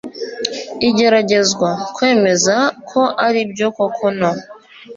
igeragezwa kwemeza ko ari byo koko no